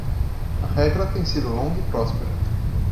A regra tem sido longa e próspera.